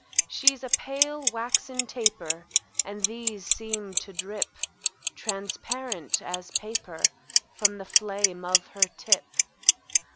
She's a pale, waxen taper; And these seem to drip Transparent as paper From the flame of her tip.